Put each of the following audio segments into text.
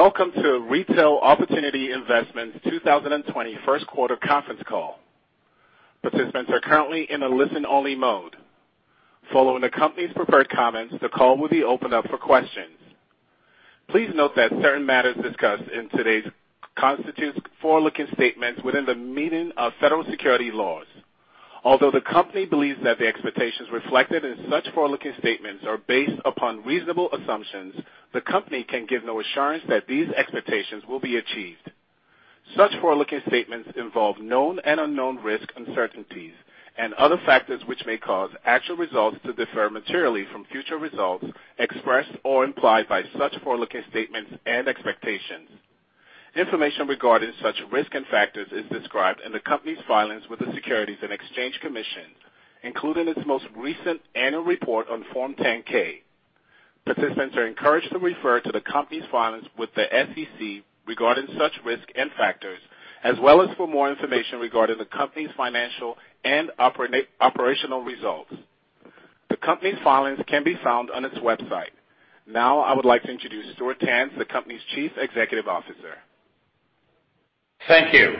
Welcome to Retail Opportunity Investments 2020 first quarter conference call. Participants are currently in a listen-only mode. Following the company's prepared comments, the call will be opened up for questions. Please note that certain matters discussed in today's constitutes forward-looking statements within the meaning of federal securities laws. Although the company believes that the expectations reflected in such forward-looking statements are based upon reasonable assumptions, the company can give no assurance that these expectations will be achieved. Such forward-looking statements involve known and unknown risks, uncertainties, and other factors which may cause actual results to differ materially from future results expressed or implied by such forward-looking statements and expectations. Information regarding such risks and factors is described in the company's filings with the Securities and Exchange Commission, including its most recent annual report on Form 10-K. Participants are encouraged to refer to the company's filings with the SEC regarding such risks and factors, as well as for more information regarding the company's financial and operational results. The company's filings can be found on its website. I would like to introduce Stuart Tanz, the company's Chief Executive Officer. Thank you.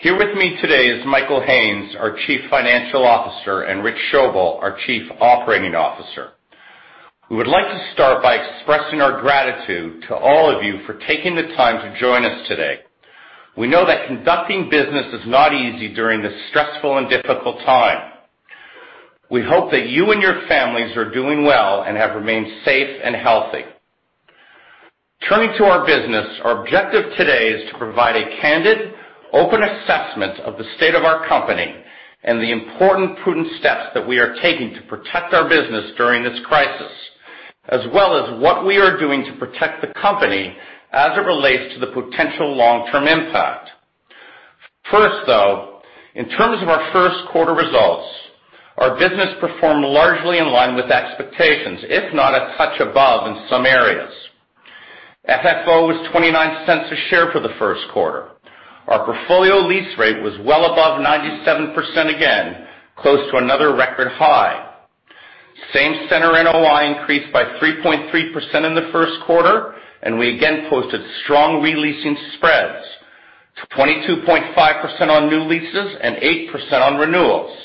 Here with me today is Michael Haines, our Chief Financial Officer, and Rich Schoebel, our Chief Operating Officer. We would like to start by expressing our gratitude to all of you for taking the time to join us today. We know that conducting business is not easy during this stressful and difficult time. We hope that you and your families are doing well and have remained safe and healthy. Turning to our business, our objective today is to provide a candid, open assessment of the state of our company and the important prudent steps that we are taking to protect our business during this crisis, as well as what we are doing to protect the company as it relates to the potential long-term impact. First, though, in terms of our first quarter results, our business performed largely in line with expectations, if not a touch above in some areas. FFO was $0.29 a share for the first quarter. Our portfolio lease rate was well above 97% again, close to another record high. Same center NOI increased by 3.3% in the first quarter, and we again posted strong re-leasing spreads, 22.5% on new leases and 8% on renewals.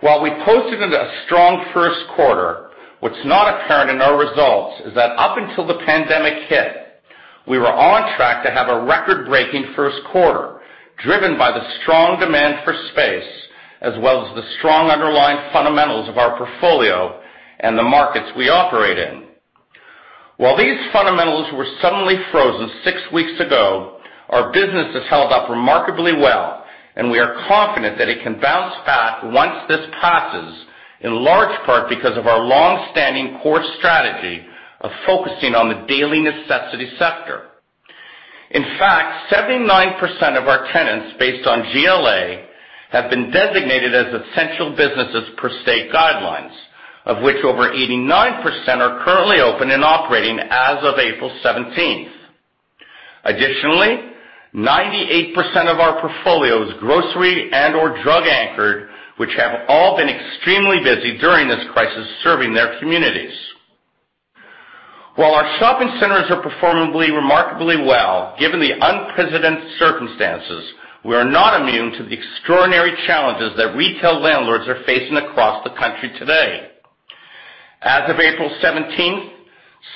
While we posted a strong first quarter, what's not apparent in our results is that up until the pandemic hit, we were on track to have a record-breaking first quarter, driven by the strong demand for space, as well as the strong underlying fundamentals of our portfolio and the markets we operate in. While these fundamentals were suddenly frozen six weeks ago, our business has held up remarkably well, and we are confident that it can bounce back once this passes, in large part because of our long-standing core strategy of focusing on the daily necessity sector. In fact, 79% of our tenants, based on GLA, have been designated as essential businesses per state guidelines, of which over 89% are currently open and operating as of April 17th. Additionally, 98% of our portfolio is grocery and/or drug anchored, which have all been extremely busy during this crisis serving their communities. While our shopping centers are performing remarkably well, given the unprecedented circumstances, we are not immune to the extraordinary challenges that retail landlords are facing across the country today. As of April 17th,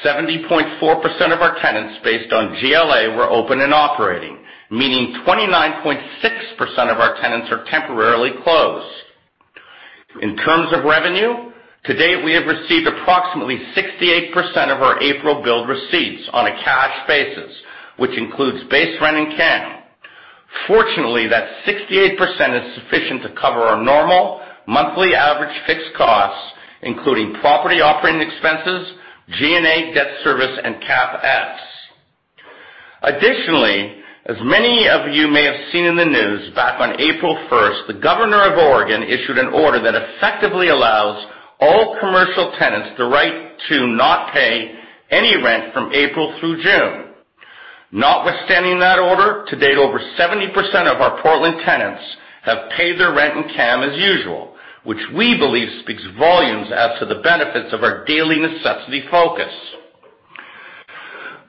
70.4% of our tenants, based on GLA, were open and operating, meaning 29.6% of our tenants are temporarily closed. In terms of revenue, to date, we have received approximately 68% of our April billed receipts on a cash basis, which includes base rent and CAM. That 68% is sufficient to cover our normal monthly average fixed costs, including property operating expenses, G&A, debt service, and CapEx. As many of you may have seen in the news, back on April 1st, the Governor of Oregon issued an order that effectively allows all commercial tenants the right to not pay any rent from April through June. Notwithstanding that order, to date, over 70% of our Portland tenants have paid their rent and CAM as usual, which we believe speaks volumes as to the benefits of our daily necessity focus.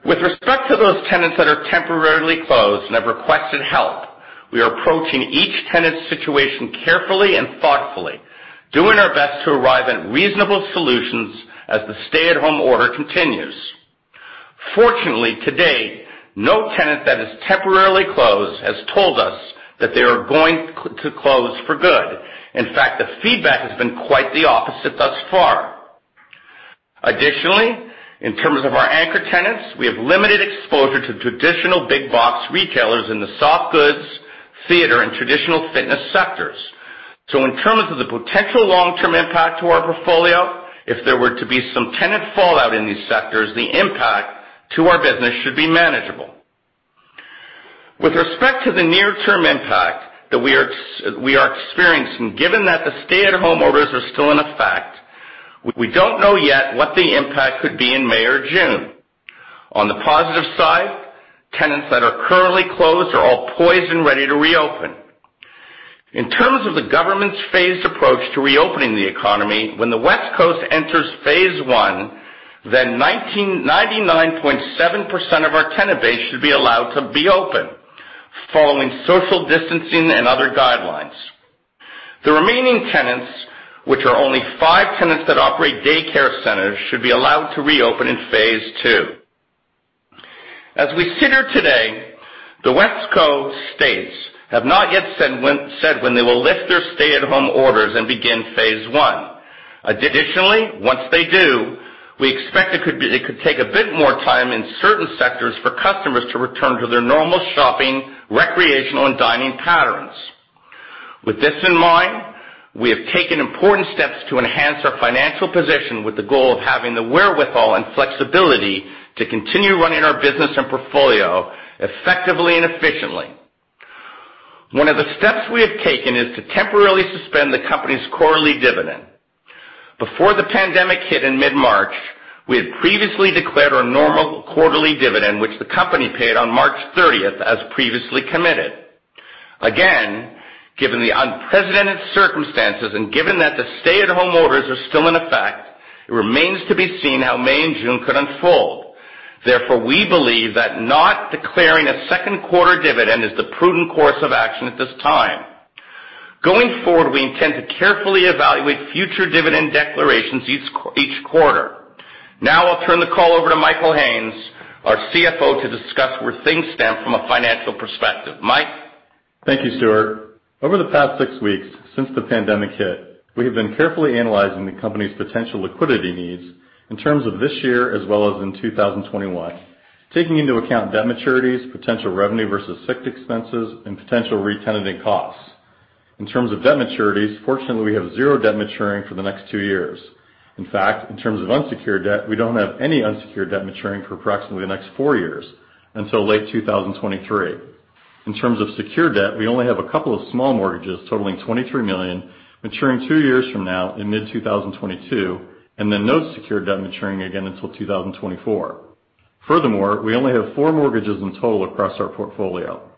With respect to those tenants that are temporarily closed and have requested help, we are approaching each tenant's situation carefully and thoughtfully, doing our best to arrive at reasonable solutions as the stay-at-home order continues. Fortunately, to date, no tenant that is temporarily closed has told us that they are going to close for good. In fact, the feedback has been quite the opposite thus far. Additionally, in terms of our anchor tenants, we have limited exposure to traditional big box retailers in the soft goods, theater, and traditional fitness sectors. In terms of the potential long-term impact to our portfolio, if there were to be some tenant fallout in these sectors, the impact to our business should be manageable. With respect to the near-term impact that we are experiencing, given that the stay-at-home orders are still in effect, we don't know yet what the impact could be in May or June. On the positive side, tenants that are currently closed are all poised and ready to reopen. In terms of the government's phased approach to reopening the economy, when the West Coast enters phase I, then 99.7% of our tenant base should be allowed to be open following social distancing and other guidelines. The remaining tenants, which are only five tenants that operate daycare centers, should be allowed to reopen in phase II. As we sit here today, the West Coast states have not yet said when they will lift their stay-at-home orders and begin phase I. Additionally, once they do, we expect it could take a bit more time in certain sectors for customers to return to their normal shopping, recreational, and dining patterns. With this in mind, we have taken important steps to enhance our financial position with the goal of having the wherewithal and flexibility to continue running our business and portfolio effectively and efficiently. One of the steps we have taken is to temporarily suspend the company's quarterly dividend. Before the pandemic hit in mid-March, we had previously declared our normal quarterly dividend, which the company paid on March 30th as previously committed. Given the unprecedented circumstances and given that the stay-at-home orders are still in effect, it remains to be seen how May and June could unfold. We believe that not declaring a second quarter dividend is the prudent course of action at this time. Going forward, we intend to carefully evaluate future dividend declarations each quarter. I'll turn the call over to Michael Haines, our CFO, to discuss where things stand from a financial perspective. Mike? Thank you, Stuart. Over the past six weeks since the pandemic hit, we have been carefully analyzing the company's potential liquidity needs in terms of this year as well as in 2021, taking into account debt maturities, potential revenue versus fixed expenses, and potential re-tenanting costs. In terms of debt maturities, fortunately, we have zero debt maturing for the next two years. In fact, in terms of unsecured debt, we don't have any unsecured debt maturing for approximately the next four years until late 2023. In terms of secured debt, we only have a couple of small mortgages totaling $23 million maturing two years from now in mid-2022, and then no secured debt maturing again until 2024. Furthermore, we only have four mortgages in total across our portfolio.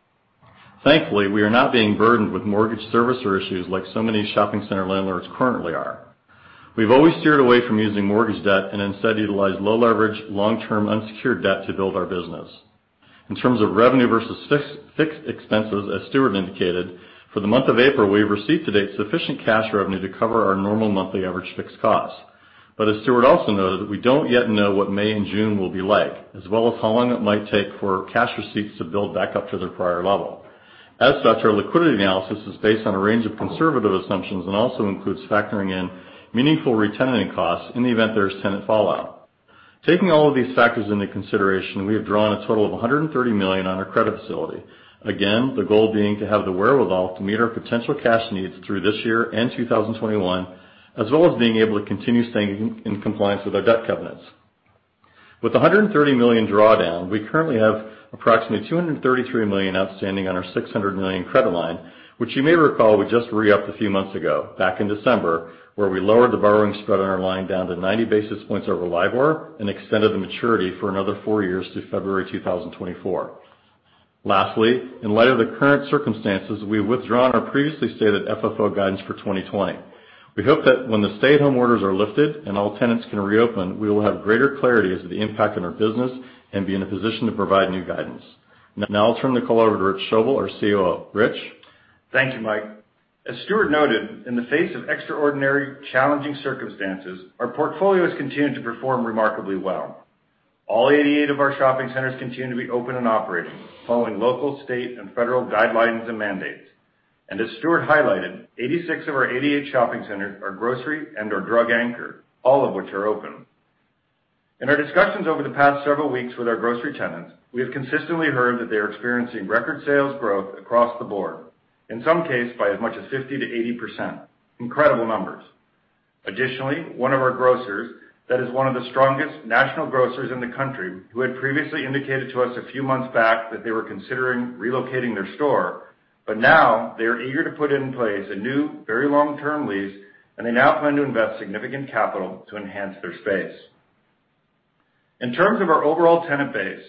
Thankfully, we are not being burdened with mortgage servicer issues like so many shopping center landlords currently are. We've always steered away from using mortgage debt and instead utilized low-leverage, long-term unsecured debt to build our business. In terms of revenue versus fixed expenses, as Stuart indicated, for the month of April, we have received to date sufficient cash revenue to cover our normal monthly average fixed costs. As Stuart also noted, we don't yet know what May and June will be like, as well as how long it might take for cash receipts to build back up to their prior level. As such, our liquidity analysis is based on a range of conservative assumptions and also includes factoring in meaningful re-tenanting costs in the event there is tenant fallout. Taking all of these factors into consideration, we have drawn a total of $130 million on our credit facility. Again, the goal being to have the wherewithal to meet our potential cash needs through this year and 2021, as well as being able to continue staying in compliance with our debt covenants. With $130 million drawdown, we currently have approximately $233 million outstanding on our $600 million credit line, which you may recall we just re-upped a few months ago back in December, where we lowered the borrowing spread on our line down to 90 basis points over LIBOR and extended the maturity for another four years through February 2024. Lastly, in light of the current circumstances, we have withdrawn our previously stated FFO guidance for 2020. We hope that when the stay-at-home orders are lifted and all tenants can reopen, we will have greater clarity as to the impact on our business and be in a position to provide new guidance. Now I'll turn the call over to Rich Schoebel, our COO. Rich? Thank you, Mike. As Stuart noted, in the face of extraordinary challenging circumstances, our portfolio has continued to perform remarkably well. All 88 of our shopping centers continue to be open and operating following local, state, and federal guidelines and mandates. As Stuart highlighted, 86 of our 88 shopping centers are grocery and/or drug anchor, all of which are open. In our discussions over the past several weeks with our grocery tenants, we have consistently heard that they are experiencing record sales growth across the board, in some case by as much as 50%-80%. Incredible numbers. One of our grocers that is one of the strongest national grocers in the U.S. who had previously indicated to us a few months back that they were considering relocating their store, but now they are eager to put in place a new, very long-term lease, and they now plan to invest significant capital to enhance their space. In terms of our overall tenant base,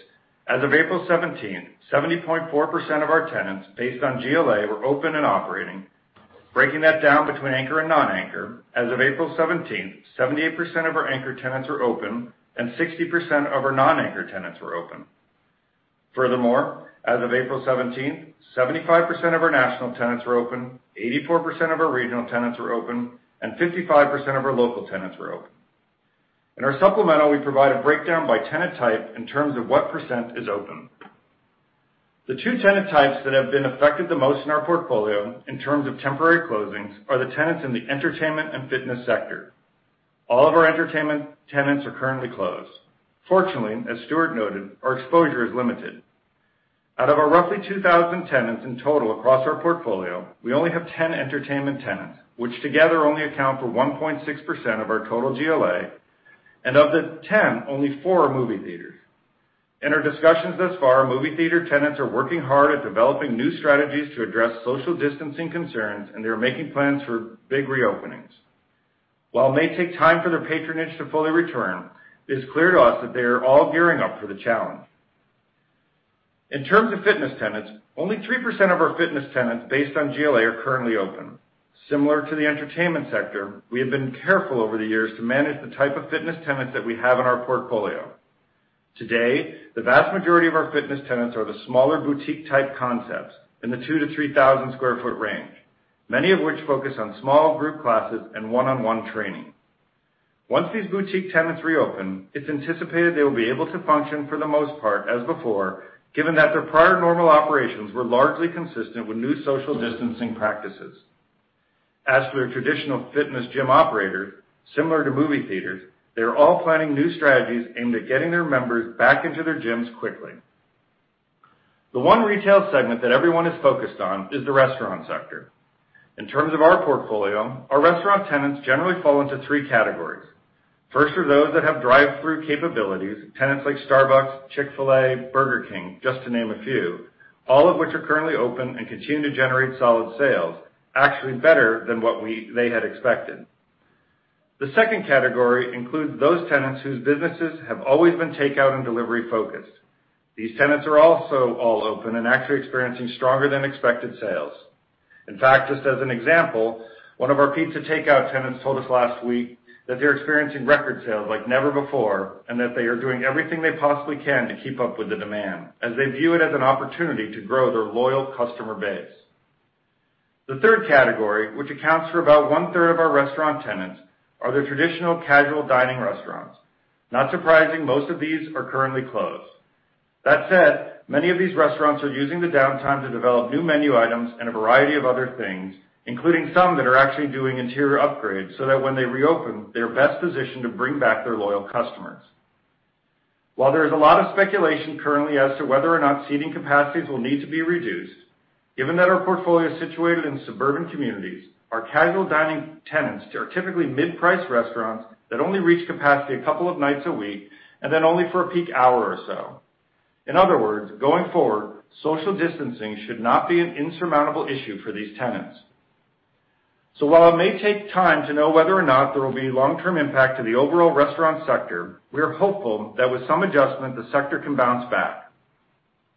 as of April 17th, 70.4% of our tenants based on GLA were open and operating. Breaking that down between anchor and non-anchor, as of April 17th, 78% of our anchor tenants were open and 60% of our non-anchor tenants were open. As of April 17th, 75% of our national tenants were open, 84% of our regional tenants were open, and 55% of our local tenants were open. In our supplemental, we provide a breakdown by tenant type in terms of what percent is open. The two tenant types that have been affected the most in our portfolio in terms of temporary closings are the tenants in the entertainment and fitness sector. All of our entertainment tenants are currently closed. Fortunately, as Stuart noted, our exposure is limited. Out of our roughly 2,000 tenants in total across our portfolio, we only have 10 entertainment tenants, which together only account for 1.6% of our total GLA. Of the 10, only four are movie theaters. In our discussions thus far, movie theater tenants are working hard at developing new strategies to address social distancing concerns, and they are making plans for big reopenings. While it may take time for their patronage to fully return, it is clear to us that they are all gearing up for the challenge. In terms of fitness tenants, only 3% of our fitness tenants based on GLA are currently open. Similar to the entertainment sector, we have been careful over the years to manage the type of fitness tenants that we have in our portfolio. Today, the vast majority of our fitness tenants are the smaller boutique type concepts in the 2,000 sq ft-3,000 sq ft range, many of which focus on small group classes and one-on-one training. Once these boutique tenants reopen, it's anticipated they will be able to function for the most part as before, given that their prior normal operations were largely consistent with new social distancing practices. As for traditional fitness gym operators, similar to movie theaters, they are all planning new strategies aimed at getting their members back into their gyms quickly. The one retail segment that everyone is focused on is the restaurant sector. In terms of our portfolio, our restaurant tenants generally fall into three categories. First are those that have drive-through capabilities, tenants like Starbucks, Chick-fil-A, Burger King, just to name a few, all of which are currently open and continue to generate solid sales, actually better than what they had expected. The second category includes those tenants whose businesses have always been takeout and delivery focused. These tenants are also all open and actually experiencing stronger than expected sales. In fact, just as an example, one of our pizza takeout tenants told us last week that they're experiencing record sales like never before, and that they are doing everything they possibly can to keep up with the demand, as they view it as an opportunity to grow their loyal customer base. The third category, which accounts for about one-third of our restaurant tenants, are the traditional casual dining restaurants. Not surprising, most of these are currently closed. That said, many of these restaurants are using the downtime to develop new menu items and a variety of other things, including some that are actually doing interior upgrades so that when they reopen, they are best positioned to bring back their loyal customers. While there is a lot of speculation currently as to whether or not seating capacities will need to be reduced, given that our portfolio is situated in suburban communities, our casual dining tenants are typically mid-priced restaurants that only reach capacity a couple of nights a week, and then only for a peak hour or so. In other words, going forward, social distancing should not be an insurmountable issue for these tenants. While it may take time to know whether or not there will be long-term impact to the overall restaurant sector, we are hopeful that with some adjustment, the sector can bounce back.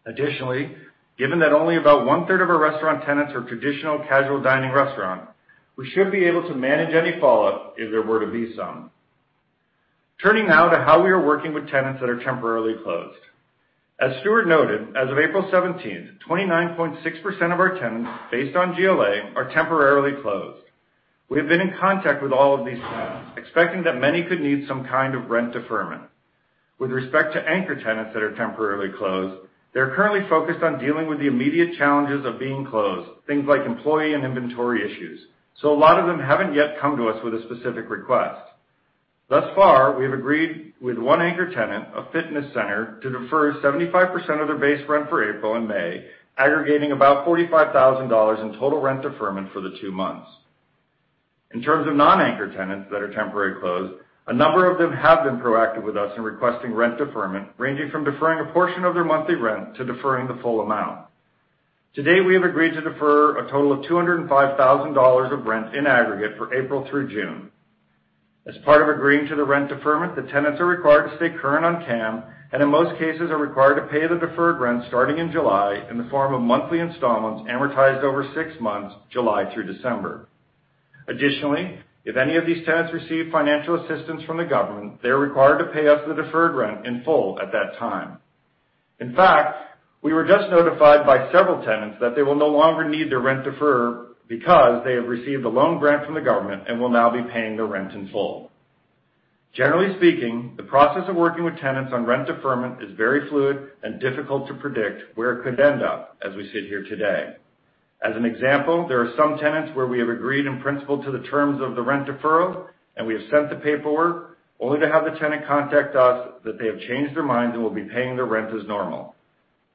Additionally, given that only about 1/3 of our restaurant tenants are traditional casual dining restaurant, we should be able to manage any fallout if there were to be some. Turning now to how we are working with tenants that are temporarily closed. As Stuart Tanz noted, as of April 17th, 29.6% of our tenants based on GLA are temporarily closed. We have been in contact with all of these tenants, expecting that many could need some kind of rent deferment. With respect to anchor tenants that are temporarily closed, they are currently focused on dealing with the immediate challenges of being closed, things like employee and inventory issues. A lot of them haven't yet come to us with a specific request. Thus far, we have agreed with one anchor tenant, a fitness center, to defer 75% of their base rent for April and May, aggregating about $45,000 in total rent deferment for the two months. In terms of non-anchor tenants that are temporarily closed, a number of them have been proactive with us in requesting rent deferment, ranging from deferring a portion of their monthly rent to deferring the full amount. To date, we have agreed to defer a total of $205,000 of rent in aggregate for April through June. As part of agreeing to the rent deferment, the tenants are required to stay current on CAM, and in most cases, are required to pay the deferred rent starting in July in the form of monthly installments amortized over six months, July through December. Additionally, if any of these tenants receive financial assistance from the government, they are required to pay us the deferred rent in full at that time. In fact, we were just notified by several tenants that they will no longer need their rent defer because they have received a loan grant from the government and will now be paying their rent in full. Generally speaking, the process of working with tenants on rent deferment is very fluid and difficult to predict where it could end up as we sit here today. As an example, there are some tenants where we have agreed in principle to the terms of the rent deferral, we have sent the paperwork only to have the tenant contact us that they have changed their minds and will be paying their rent as normal.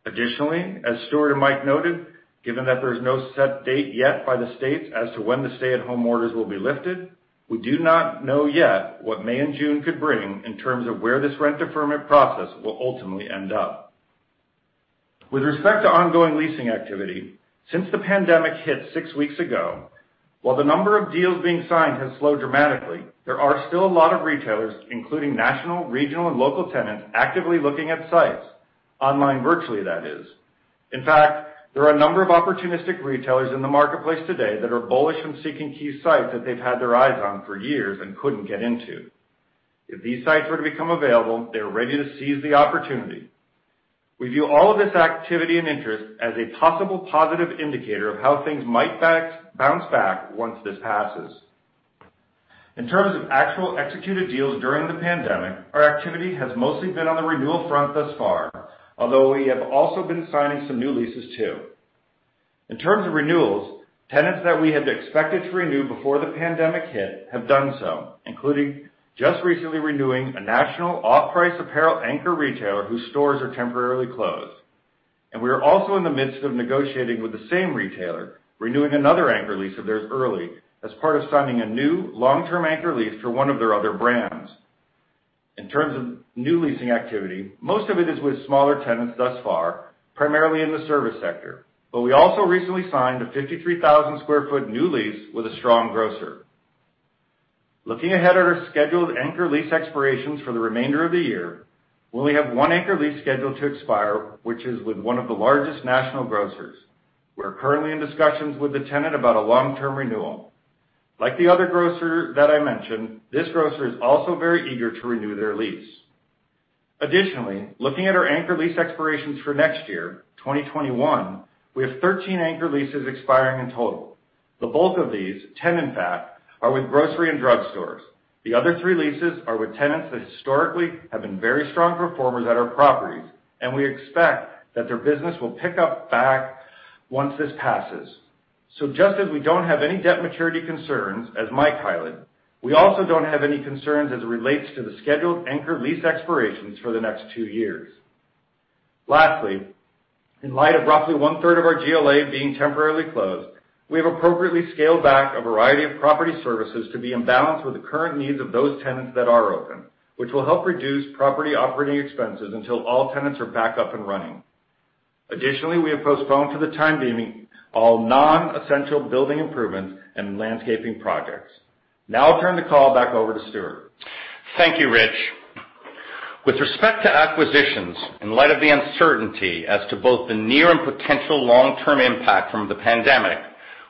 Additionally, as Stuart and Mike noted, given that there is no set date yet by the states as to when the stay-at-home orders will be lifted, we do not know yet what May and June could bring in terms of where this rent deferment process will ultimately end up. With respect to ongoing leasing activity, since the pandemic hit six weeks ago, while the number of deals being signed has slowed dramatically, there are still a lot of retailers, including national, regional, and local tenants, actively looking at sites, online virtually that is. In fact, there are a number of opportunistic retailers in the marketplace today that are bullish on seeking key sites that they've had their eyes on for years and couldn't get into. If these sites were to become available, they are ready to seize the opportunity. We view all of this activity and interest as a possible positive indicator of how things might bounce back once this passes. In terms of actual executed deals during the pandemic, our activity has mostly been on the renewal front thus far, although we have also been signing some new leases too. In terms of renewals, tenants that we had expected to renew before the pandemic hit have done so, including just recently renewing a national off-price apparel anchor retailer whose stores are temporarily closed. We are also in the midst of negotiating with the same retailer, renewing another anchor lease of theirs early as part of signning a new long-term anchor lease for one of their other brands. In terms of new leasing activity, most of it is with smaller tenants thus far, primarily in the service sector. We also recently signed a 53,000 sq ft new lease with a strong grocer. Looking ahead at our scheduled anchor lease expirations for the remainder of the year, we only have one anchor lease scheduled to expire, which is with one of the largest national grocers. We're currently in discussions with the tenant about a long-term renewal. Like the other grocer that I mentioned, this grocer is also very eager to renew their lease. Additionally, looking at our anchor lease expirations for next year, 2021, we have 13 anchor leases expiring in total. The bulk of these, 10 in fact, are with grocery and drug stores. The other three leases are with tenants that historically have been very strong performers at our properties, and we expect that their business will pick up back once this passes. Just as we don't have any debt maturity concerns, as Mike highlighted, we also don't have any concerns as it relates to the scheduled anchor lease expirations for the next two years. Lastly, in light of roughly 1/3 of our GLA being temporarily closed, we have appropriately scaled back a variety of property services to be in balance with the current needs of those tenants that are open, which will help reduce property operating expenses until all tenants are back up and running. Additionally, we have postponed for the time being all non-essential building improvements and landscaping projects. Now I'll turn the call back over to Stuart. Thank you, Rich. With respect to acquisitions, in light of the uncertainty as to both the near and potential long-term impact from the pandemic,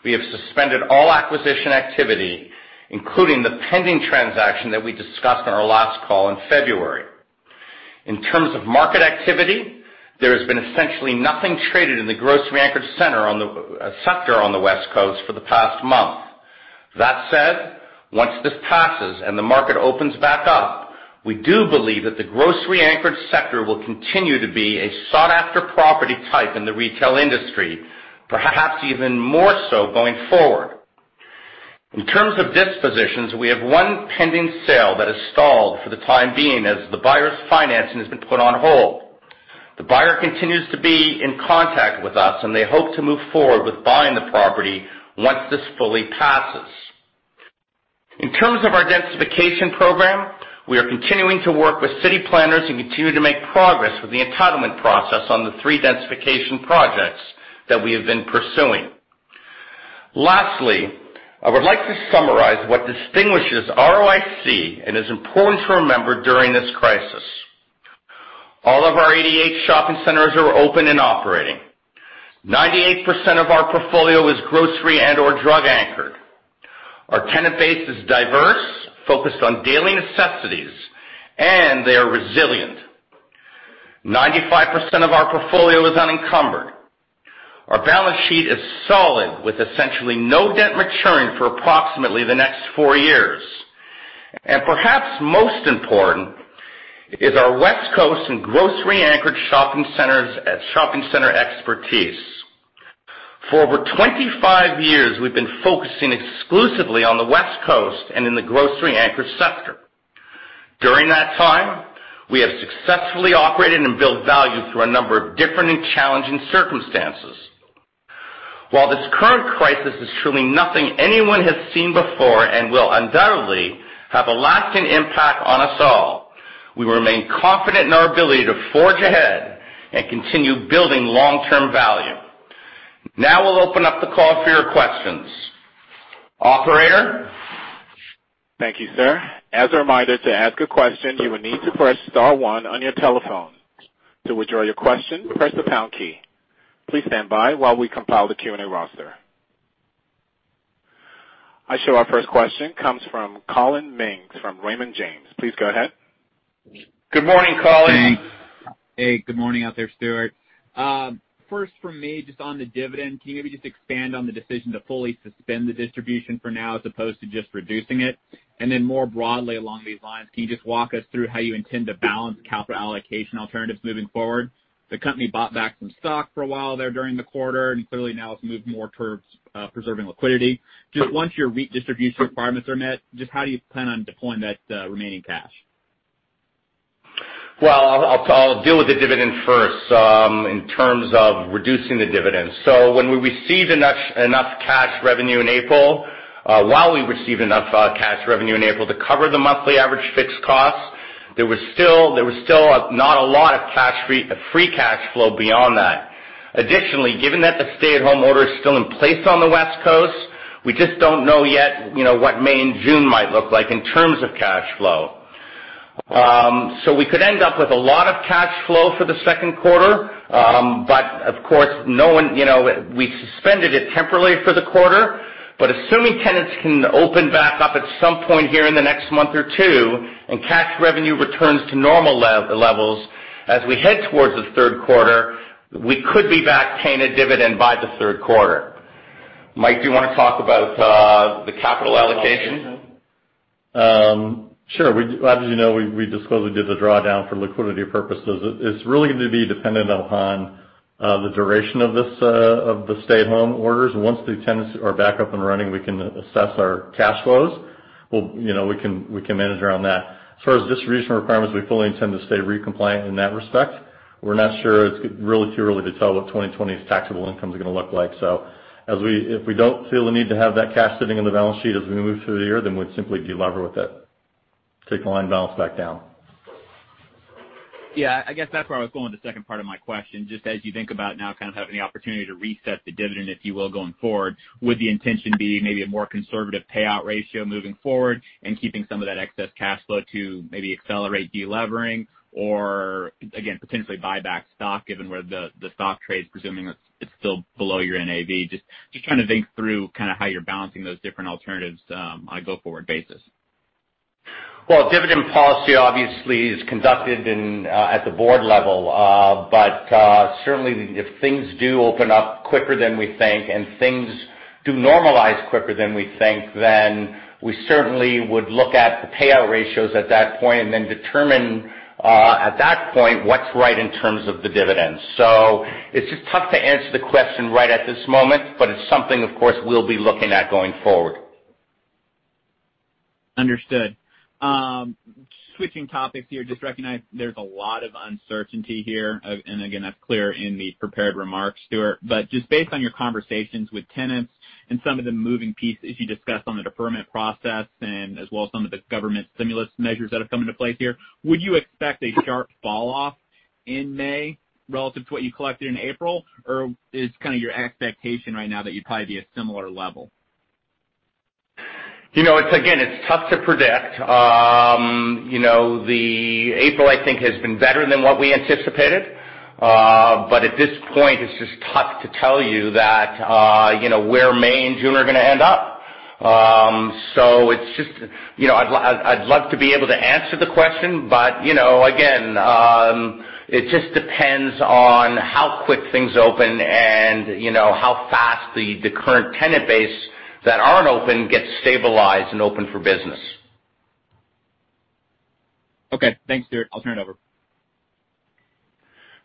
we have suspended all acquisition activity, including the pending transaction that we discussed on our last call in February. In terms of market activity, there has been essentially nothing traded in the grocery-anchored sector on the West Coast for the past month. That said, once this passes and the market opens back up, we do believe that the grocery-anchored sector will continue to be a sought-after property type in the retail industry, perhaps even more so going forward. In terms of dispositions, we have one pending sale that has stalled for the time being as the buyer's financing has been put on hold. The buyer continues to be in contact with us, and they hope to move forward with buying the property once this fully passes. In terms of our densification program, we are continuing to work with city planners and continue to make progress with the entitlement process on the three densification projects that we have been pursuing. Lastly, I would like to summarize what distinguishes ROIC and is important to remember during this crisis. All of our 88 shopping centers are open and operating. 98% of our portfolio is grocery and/or drug anchored. Our tenant base is diverse, focused on daily necessities, and they are resilient. 95% of our portfolio is unencumbered. Our balance sheet is solid, with essentially no debt maturing for approximately the next four years. Perhaps most important is our West Coast and grocery anchored shopping centers shopping center expertise. For over 25 years, we've been focusing exclusively on the West Coast and in the grocery anchored sector. During that time, we have successfully operated and built value through a number of different and challenging circumstances. While this current crisis is truly nothing anyone has seen before and will undoubtedly have a lasting impact on us all, we remain confident in our ability to forge ahead and continue building long-term value. Now we'll open up the call for your questions. Operator? Thank you, sir. As a reminder, to ask a question, you will need to press star one on your telephone. To withdraw your question, press the pound key. Please stand by while we compile the Q&A roster. I show our first question comes from Collin Mings from Raymond James. Please go ahead. Good morning, Collin. Thanks. Hey, good morning out there, Stuart. First for me, just on the dividend, can you maybe just expand on the decision to fully suspend the distribution for now as opposed to just reducing it? Then more broadly along these lines, can you just walk us through how you intend to balance capital allocation alternatives moving forward? The company bought back some stock for a while there during the quarter, and clearly now it's moved more towards preserving liquidity. Just once your REIT distribution requirements are met, just how do you plan on deploying that remaining cash? Well, I'll deal with the dividend first, in terms of reducing the dividend. When we received enough cash revenue in April to cover the monthly average fixed costs, there was still not a lot of free cash flow beyond that. Additionally, given that the stay-at-home order is still in place on the West Coast, we just don't know yet what May and June might look like in terms of cash flow. We could end up with a lot of cash flow for the second quarter. Of course, no one, we suspended it temporarily for the quarter. Assuming tenants can open back up at some point here in the next month or two and cash revenue returns to normal levels as we head towards the third quarter, we could be back paying a dividend by the third quarter. Mike, do you want to talk about the capital allocation? Sure. As you know, we disclosed we did the drawdown for liquidity purposes. It's really going to be dependent upon the duration of the stay-at-home orders. Once the tenants are back up and running, we can assess our cash flows. We can manage around that. As far as distribution requirements, we fully intend to stay REIT-compliant in that respect. We're not sure. It's really too early to tell what 2020's taxable income is going to look like. If we don't feel the need to have that cash sitting in the balance sheet as we move through the year, then we'd simply de-lever with it, take the line balance back down. Yeah, I guess that's where I was going with the second part of my question. Just as you think about now kind of having the opportunity to reset the dividend, if you will, going forward, would the intention be maybe a more conservative payout ratio moving forward and keeping some of that excess cash flow to maybe accelerate de-levering or again, potentially buy back stock, given where the stock trades, presuming it's still below your NAV? Just trying to think through how you're balancing those different alternatives on a go-forward basis. Dividend policy obviously is conducted at the board level. Certainly, if things do open up quicker than we think, and things do normalize quicker than we think, then we certainly would look at the payout ratios at that point and then determine, at that point, what's right in terms of the dividends. It's just tough to answer the question right at this moment, but it's something, of course, we'll be looking at going forward. Understood. Switching topics here, just recognize there's a lot of uncertainty here. Again, that's clear in the prepared remarks, Stuart. Just based on your conversations with tenants and some of the moving pieces you discussed on the deferment process, and as well as some of the government stimulus measures that have come into place here, would you expect a sharp fall off in May relative to what you collected in April? Or is kind of your expectation right now that you'd probably be a similar level? Again, it's tough to predict. April, I think, has been better than what we anticipated. At this point, it's just tough to tell you where May and June are going to end up. I'd love to be able to answer the question. Again, it just depends on how quick things open and how fast the current tenant base that aren't open gets stabilized and open for business. Okay. Thanks, Stuart. I'll turn it over.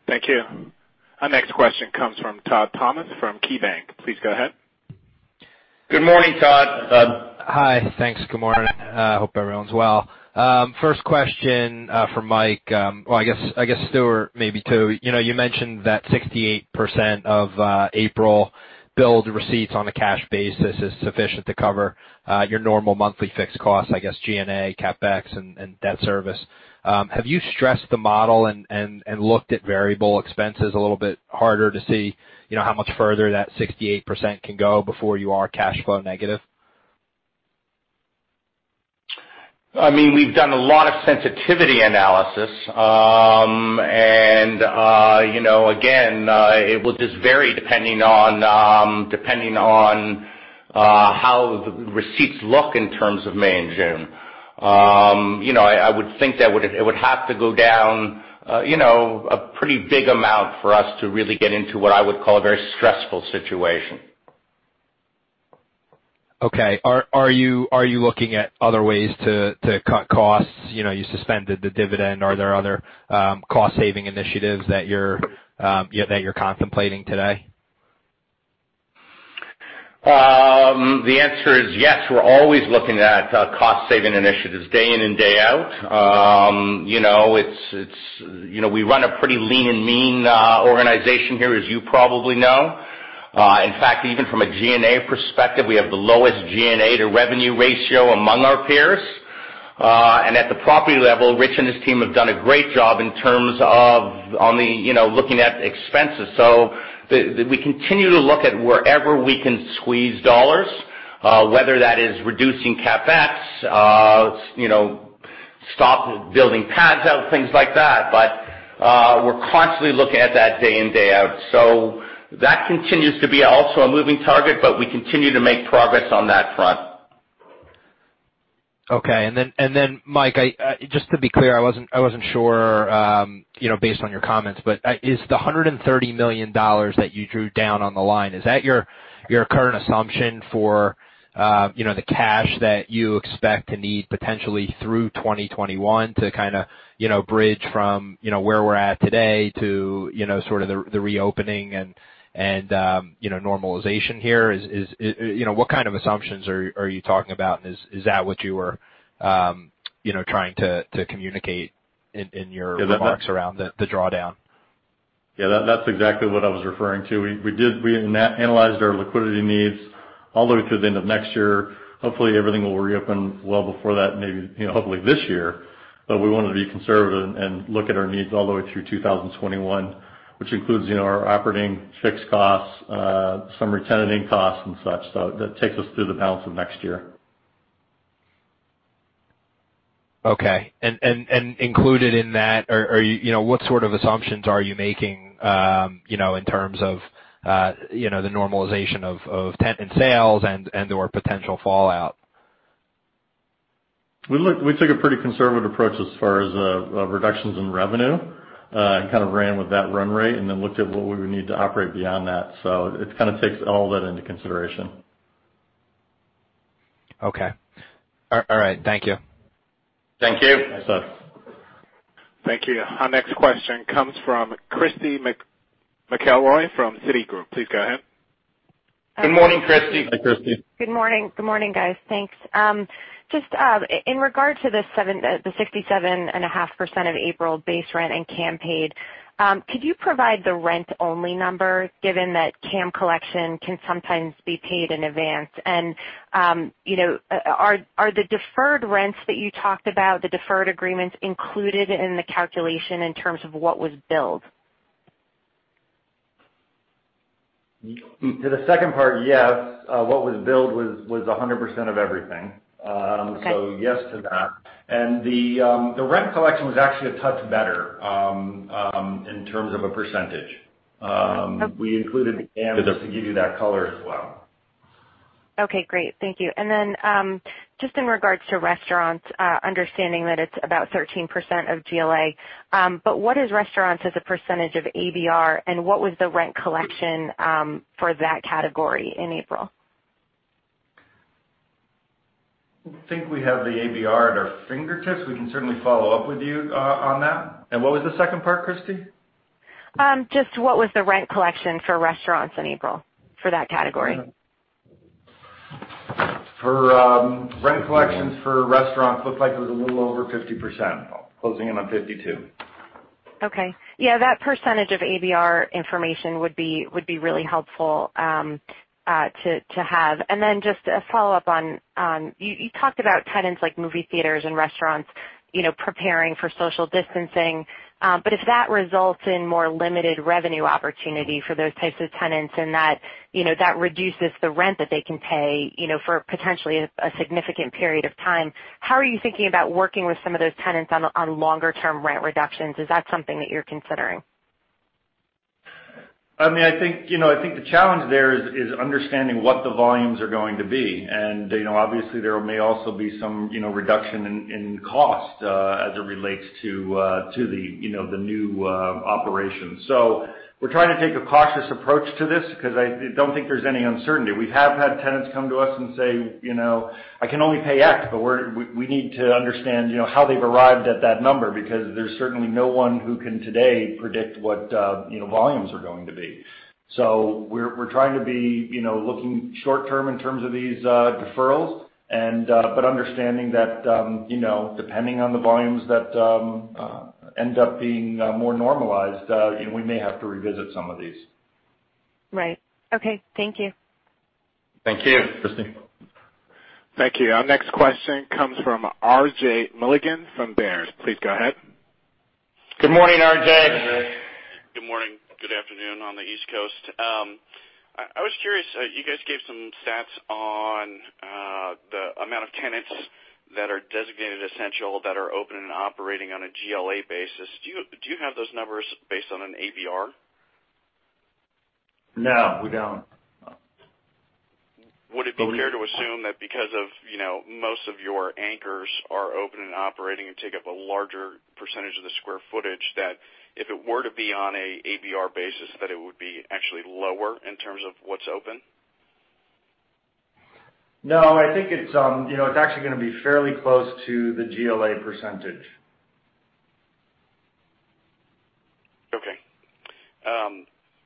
Thank you. Our next question comes from Todd Thomas, from KeyBanc. Please go ahead. Good morning, Todd. Hi. Thanks. Good morning. Hope everyone's well. First question for Michael. Well, I guess Stuart, maybe too. You mentioned that 68% of April billed receipts on a cash basis is sufficient to cover your normal monthly fixed costs, I guess G&A, CapEx, and debt service. Have you stressed the model and looked at variable expenses a little bit harder to see how much further that 68% can go before you are cash flow negative? We've done a lot of sensitivity analysis. Again, it will just vary depending on how the receipts look in terms of May and June. I would think that it would have to go down a pretty big amount for us to really get into what I would call a very stressful situation. Are you looking at other ways to cut costs? You suspended the dividend. Are there other cost-saving initiatives that you're contemplating today? The answer is yes. We're always looking at cost-saving initiatives day in and day out. We run a pretty lean and mean organization here, as you probably know. In fact, even from a G&A perspective, we have the lowest G&A to revenue ratio among our peers. At the property level, Rich and his team have done a great job in terms of looking at expenses. We continue to look at wherever we can squeeze dollars, whether that is reducing CapEx, stop building pads out, things like that. But we're constantly looking at that day in, day out. That continues to be also a moving target, but we continue to make progress on that front. Okay. Mike, just to be clear, I wasn't sure based on your comments, but is the $130 million that you drew down on the line, is that your current assumption for the cash that you expect to need potentially through 2021 to kind of bridge from where we're at today to sort of the reopening and normalization here? What kind of assumptions are you talking about? Is that what you were trying to communicate in your remarks around the drawdown? Yeah, that's exactly what I was referring to. We analyzed our liquidity needs all the way to the end of next year. Hopefully, everything will reopen well before that, maybe hopefully this year. We wanted to be conservative and look at our needs all the way through 2021, which includes our operating fixed costs, some re-tenanting costs, and such. That takes us through the balance of next year. Okay. Included in that, what sort of assumptions are you making in terms of the normalization of tenant sales and/or potential fallout? We took a pretty conservative approach as far as reductions in revenue, and kind of ran with that run rate and then looked at what we would need to operate beyond that. It kind of takes all that into consideration. Okay. All right. Thank you. Thank you. Thanks, Todd. Thank you. Our next question comes from Christy McElroy from Citigroup. Please go ahead. Good morning, Christy. Hi, Christy. Good morning, guys. Thanks. Just in regard to the 67.5% of April base rent and CAM paid, could you provide the rent-only number, given that CAM collection can sometimes be paid in advance? Are the deferred rents that you talked about, the deferred agreements included in the calculation in terms of what was billed? To the second part, yes. What was billed was 100% of everything. Okay. Yes to that. The rent collection was actually a touch better in terms of a percentage. We included that to give you that color as well. Okay, great. Thank you. Just in regards to restaurants, understanding that it's about 13% of GLA. What is restaurants as a percentage of ABR, and what was the rent collection for that category in April? I don't think we have the ABR at our fingertips. We can certainly follow up with you on that. What was the second part, Christy? Just what was the rent collection for restaurants in April for that category? For rent collections for restaurants, looked like it was a little over 50%, closing in on 52%. Okay. Yeah, that percentage of ABR information would be really helpful to have. Then just a follow-up on, you talked about tenants like movie theaters and restaurants preparing for social distancing. If that results in more limited revenue opportunity for those types of tenants, and that reduces the rent that they can pay for potentially a significant period of time, how are you thinking about working with some of those tenants on longer term rent reductions? Is that something that you're considering? I think the challenge there is understanding what the volumes are going to be. Obviously, there may also be some reduction in cost as it relates to the new operation. We're trying to take a cautious approach to this because I don't think there's any uncertainty. We have had tenants come to us and say, "I can only pay X," but we need to understand how they've arrived at that number, because there's certainly no one who can today predict what volumes are going to be. We're trying to be looking short term in terms of these deferrals, but understanding that depending on the volumes that end up being more normalized, we may have to revisit some of these. Right. Okay. Thank you. Thank you, Christy. Thank you. Our next question comes from R.J. Milligan from Baird. Please go ahead. Good morning, R.J. Good morning. Good afternoon on the East Coast. I was curious, you guys gave some stats on the amount of tenants that are designated essential that are open and operating on a GLA basis. Do you have those numbers based on an ABR? No, we don't. Would it be fair to assume that because of most of your anchors are open and operating and take up a larger percentage of the square footage, that if it were to be on a ABR basis, that it would be actually lower in terms of what's open? No, I think it's actually going to be fairly close to the GLA percentage. Okay.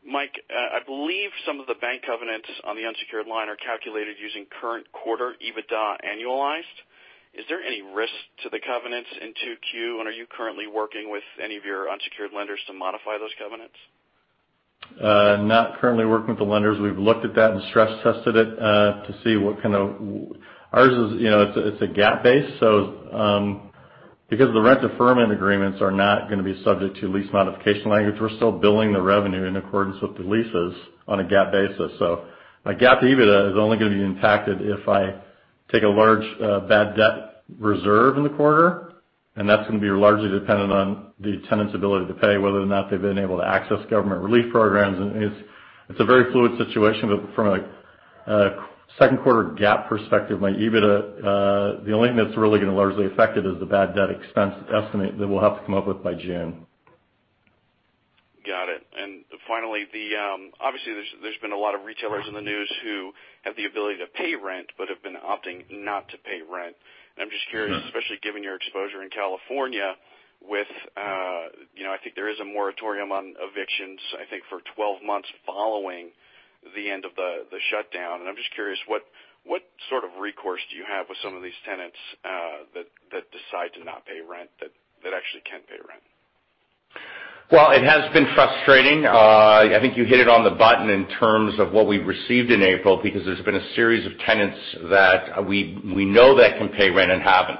Mike, I believe some of the bank covenants on the unsecured line are calculated using current quarter EBITDA annualized. Is there any risk to the covenants in 2Q, and are you currently working with any of your unsecured lenders to modify those covenants? Not currently working with the lenders. We've looked at that and stress tested it to see. Ours, it's a GAAP base. Because the rent deferment agreements are not going to be subject to lease modification language, we're still billing the revenue in accordance with the leases on a GAAP basis. My GAAP EBITDA is only going to be impacted if I take a large bad debt reserve in the quarter, and that's going to be largely dependent on the tenant's ability to pay, whether or not they've been able to access government relief programs. It's a very fluid situation, but from a second quarter GAAP perspective, my EBITDA, the only thing that's really going to largely affect it is the bad debt expense estimate that we'll have to come up with by June. Got it. Finally, obviously, there's been a lot of retailers in the news who have the ability to pay rent, but have been opting not to pay rent. I'm just curious, especially given your exposure in California with, I think there is a moratorium on evictions, I think, for 12 months following the end of the shutdown. I'm just curious, what sort of recourse do you have with some of these tenants that decide to not pay rent, that actually can pay rent? It has been frustrating. I think you hit it on the button in terms of what we received in April, because there's been a series of tenants that we know that can pay rent and haven't.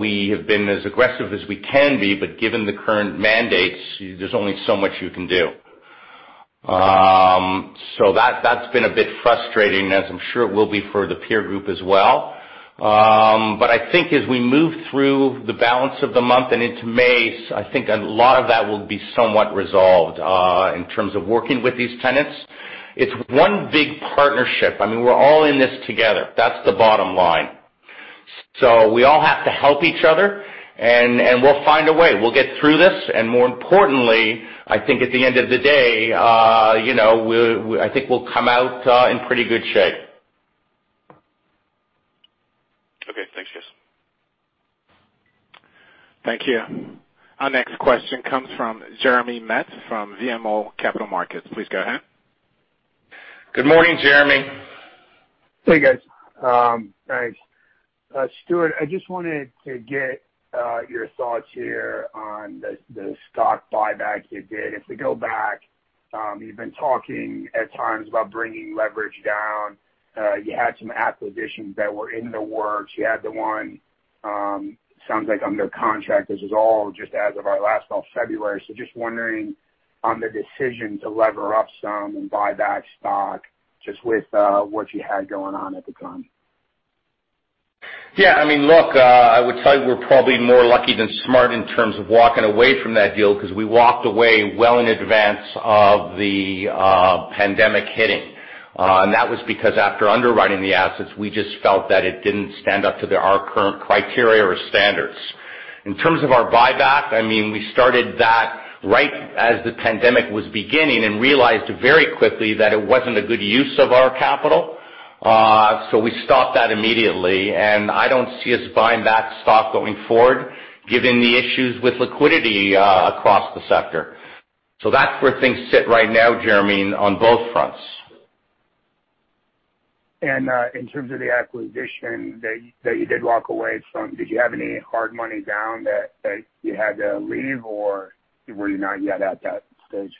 We have been as aggressive as we can be, but given the current mandates, there's only so much you can do. That's been a bit frustrating, as I'm sure it will be for the peer group as well. I think as we move through the balance of the month and into May, I think a lot of that will be somewhat resolved in terms of working with these tenants. It's one big partnership. We're all in this together. That's the bottom line. We all have to help each other, and we'll find a way. We'll get through this, and more importantly, I think at the end of the day, I think we'll come out in pretty good shape. Okay. Thanks, guys. Thank you. Our next question comes from Jeremy Metz, from BMO Capital Markets. Please go ahead. Good morning, Jeremy. Hey, guys. Thanks. Stuart, I just wanted to get your thoughts here on the stock buyback you did. If we go back, you've been talking at times about bringing leverage down. You had some acquisitions that were in the works. You had the oneSounds like under contract. This is all just as of our last call, February. Just wondering on the decision to lever up some and buy back stock just with what you had going on at the time. Yeah. Look, I would say we're probably more lucky than smart in terms of walking away from that deal, because we walked away well in advance of the pandemic hitting. That was because after underwriting the assets, we just felt that it didn't stand up to our current criteria or standards. In terms of our buyback, we started that right as the pandemic was beginning and realized very quickly that it wasn't a good use of our capital. We stopped that immediately, and I don't see us buying back stock going forward given the issues with liquidity across the sector. That's where things sit right now, Jeremy, on both fronts. In terms of the acquisition that you did walk away from, did you have any hard money down that you had to leave, or were you not yet at that stage?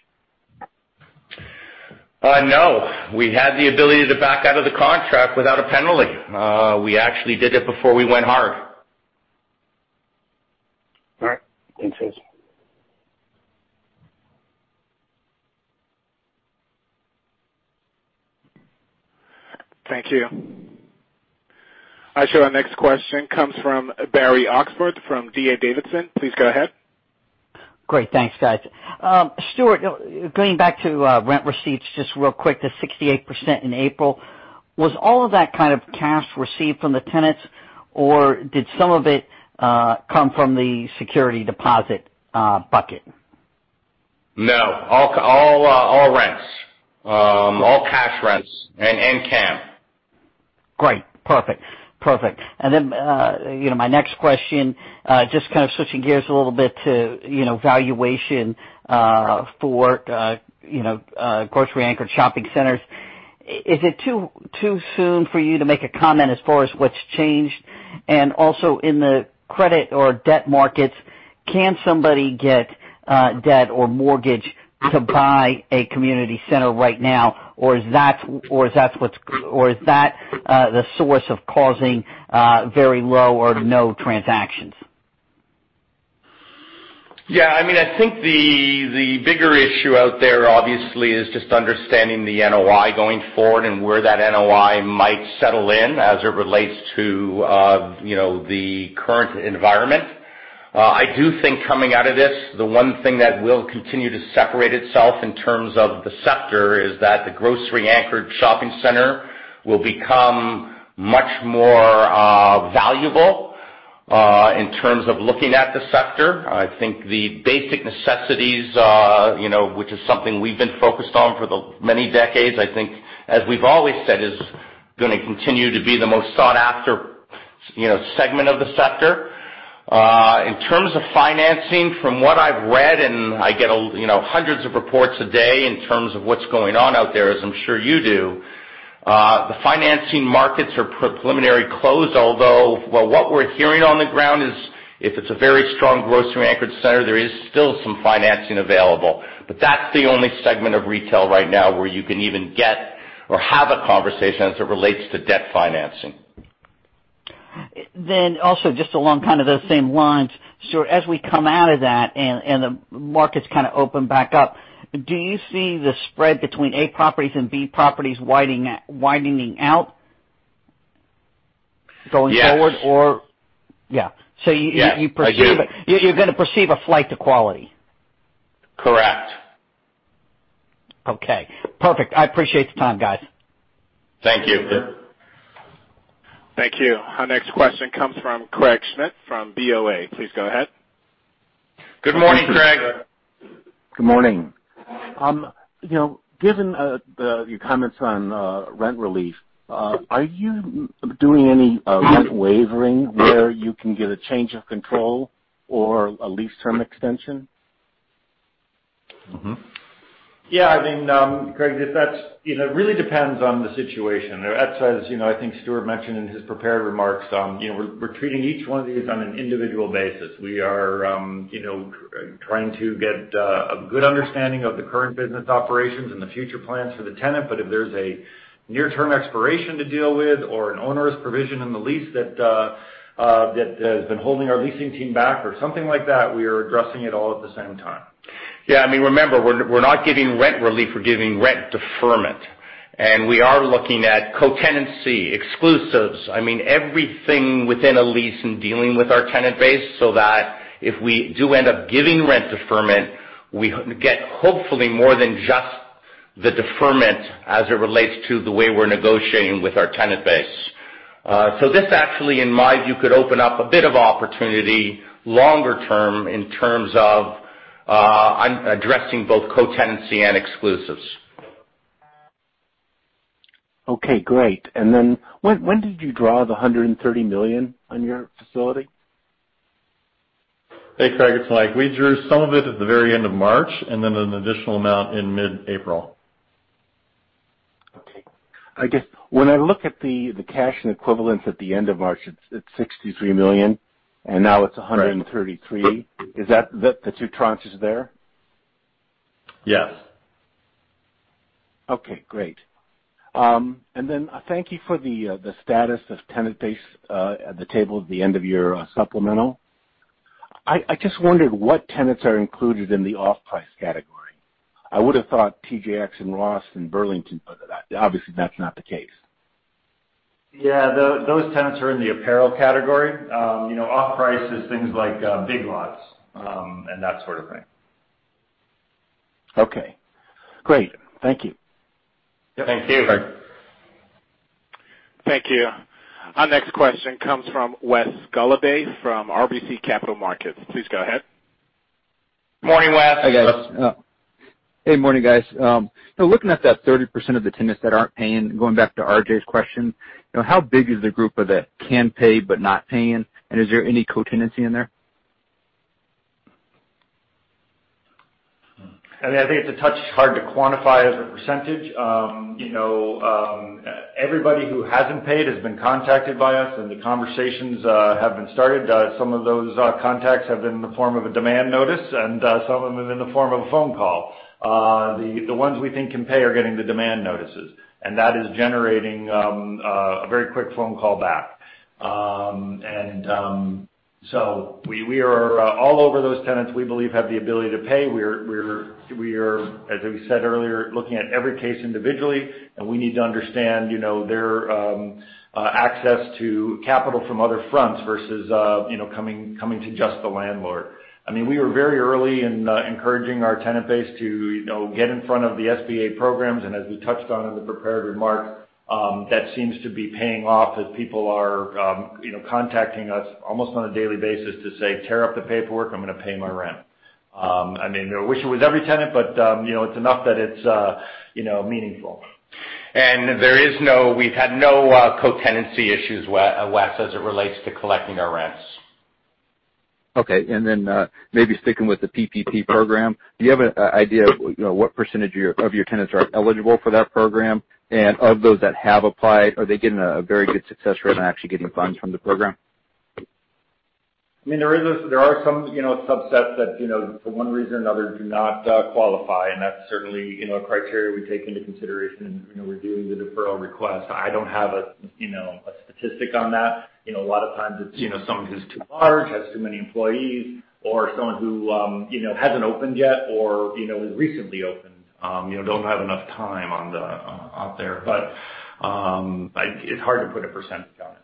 No. We had the ability to back out of the contract without a penalty. We actually did it before we went hard. All right. Thanks. Thank you. Our next question comes from Barry Oxford from D.A. Davidson. Please go ahead. Great. Thanks, guys. Stuart, going back to rent receipts just real quick, the 68% in April, was all of that kind of cash received from the tenants, or did some of it come from the security deposit bucket? No. All rents. All cash rents and CAM. Great. Perfect. My next question, just kind of switching gears a little bit to valuation for grocery-anchored shopping centers. Is it too soon for you to make a comment as far as what's changed? In the credit or debt markets, can somebody get debt or mortgage to buy a community center right now? Is that the source of causing very low or no transactions? Yeah. I think the bigger issue out there obviously is just understanding the NOI going forward and where that NOI might settle in as it relates to the current environment. I do think coming out of this, the one thing that will continue to separate itself in terms of the sector is that the grocery-anchored shopping center will become much more valuable in terms of looking at the sector. I think the basic necessities, which is something we've been focused on for the many decades, I think, as we've always said, is going to continue to be the most sought-after segment of the sector. In terms of financing, from what I've read, I get hundreds of reports a day in terms of what's going on out there, as I'm sure you do, the financing markets are primarily closed, although what we're hearing on the ground is if it's a very strong grocery-anchored center, there is still some financing available. That's the only segment of retail right now where you can even get or have a conversation as it relates to debt financing. Also just along kind of those same lines, Stuart, as we come out of that and the markets kind of open back up, do you see the spread between A properties and B properties widening out going forward? Yes. Yeah. You perceive it. I do. You're going to perceive a flight to quality. Correct. Okay. Perfect. I appreciate the time, guys. Thank you. Thank you. Our next question comes from Craig Schmidt from BofA. Please go ahead. Good morning, Craig. Good morning. Given your comments on rent relief, are you doing any rent waiver where you can get a change of control or a lease term extension? Yeah. Craig, it really depends on the situation. As I think Stuart mentioned in his prepared remarks, we're treating each one of these on an individual basis. We are trying to get a good understanding of the current business operations and the future plans for the tenant, but if there's a near-term expiration to deal with or an owner's provision in the lease that has been holding our leasing team back or something like that, we are addressing it all at the same time. Yeah. Remember, we're not giving rent relief, we're giving rent deferment. We are looking at co-tenancy, exclusives, everything within a lease in dealing with our tenant base so that if we do end up giving rent deferment, we get hopefully more than just the deferment as it relates to the way we're negotiating with our tenant base. This actually, in my view, could open up a bit of opportunity longer term in terms of addressing both co-tenancy and exclusives. Okay, great. When did you draw the $130 million on your facility? Hey, Craig, it's Mike. We drew some of it at the very end of March, and then an additional amount in mid-April. Okay. I guess when I look at the cash and equivalents at the end of March, it's $63 million, and now it's $133. Right. Is that the two tranches there? Yes. Okay, great. Thank you for the status of tenant base at the table at the end of your supplemental. I just wondered what tenants are included in the off-price category. I would've thought TJX and Ross and Burlington, obviously that's not the case. Yeah. Those tenants are in the apparel category. Off-price is things like Big Lots and that sort of thing. Okay. Great. Thank you. Thanks, David. Thank you. Our next question comes from Wes Golladay from RBC Capital Markets. Please go ahead. Morning, Wes. Hi, guys. Hey morning, guys. Looking at that 30% of the tenants that aren't paying, going back to R.J.'s question, how big is the group of the can pay but not paying? Is there any co-tenancy in there? I mean, I think it's a touch hard to quantify as a percentage. Everybody who hasn't paid has been contacted by us, and the conversations have been started. Some of those contacts have been in the form of a demand notice, and some of them have been in the form of a phone call. The ones we think can pay are getting the demand notices, and that is generating a very quick phone call back. We are all over those tenants we believe have the ability to pay. We are, as we said earlier, looking at every case individually, and we need to understand their access to capital from other fronts versus coming to just the landlord. I mean, we are very early in encouraging our tenant base to get in front of the SBA programs. As we touched on in the prepared remarks, that seems to be paying off as people are contacting us almost on a daily basis to say, "Tear up the paperwork, I'm going to pay my rent." I mean, I wish it was every tenant, but it's enough that it's meaningful. We've had no co-tenancy issues, Wes, as it relates to collecting our rents. Okay. Maybe sticking with the PPP Program, do you have an idea of what percentage of your tenants are eligible for that Program? And of those that have applied, are they getting a very good success rate on actually getting funds from the Program? I mean, there are some subsets that for one reason or another, do not qualify. That's certainly a criteria we take into consideration when reviewing the deferral request. I don't have a statistic on that. A lot of times it's someone who's too large, has too many employees, or someone who hasn't opened yet or has recently opened, don't have enough time out there. It's hard to put a percentage on it.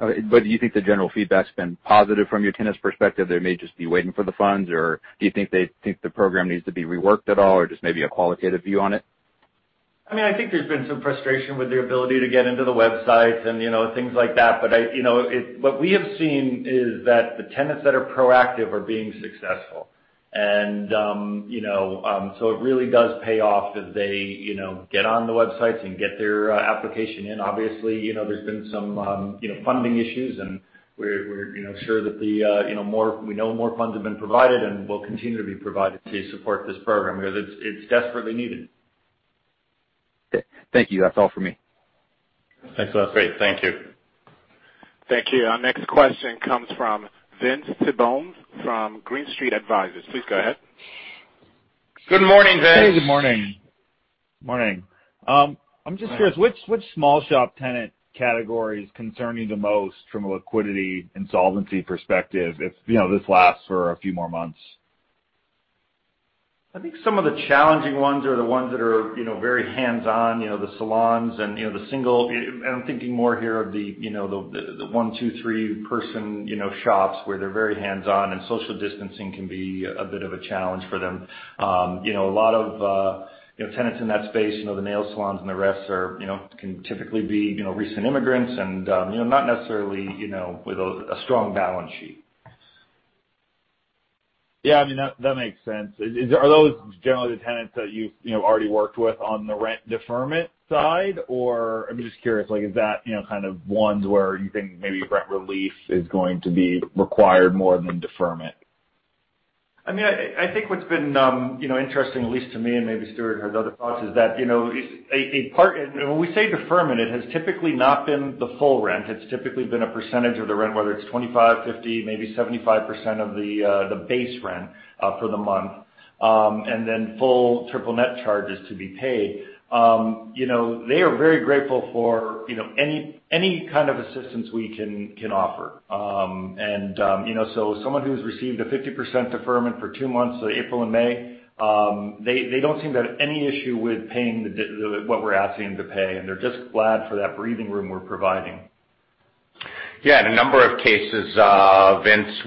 Okay. Do you think the general feedback's been positive from your tenants' perspective? They may just be waiting for the funds, or do you think they think the program needs to be reworked at all, or just maybe a qualitative view on it? I mean, I think there's been some frustration with the ability to get into the websites and things like that. What we have seen is that the tenants that are proactive are being successful. It really does pay off if they get on the websites and get their application in. Obviously, there's been some funding issues, and we're sure that we know more funds have been provided and will continue to be provided to support this program, because it's desperately needed. Okay. Thank you. That's all for me. Thanks, Wes. Great. Thank you. Thank you. Our next question comes from Vince Tibone from Green Street Advisors. Please go ahead. Good morning, Vince. Hey, good morning. Morning. I'm just curious, which small shop tenant category concern you the most from a liquidity insolvency perspective, if this lasts for a few more months? I think some of the challenging ones are the ones that are very hands-on, the salons and the I'm thinking more here of the one, two, three-person shops where they're very hands-on and social distancing can be a bit of a challenge for them. A lot of tenants in that space, the nail salons and the rest can typically be recent immigrants and not necessarily with a strong balance sheet. I mean, that makes sense. Are those generally the tenants that you've already worked with on the rent deferment side or I'm just curious, like, is that kind of ones where you think maybe rent relief is going to be required more than deferment? I mean, I think what's been interesting, at least to me, and maybe Stuart has other thoughts, is that when we say deferment, it has typically not been the full rent. It's typically been a percentage of the rent, whether it's 25, 50, maybe 75% of the base rent for the month. Full triple net charges to be paid. They are very grateful for any kind of assistance we can offer. Someone who's received a 50% deferment for two months, so April and May, they don't seem to have any issue with paying what we're asking them to pay, and they're just glad for that breathing room we're providing. Yeah. In a number of cases, Vince,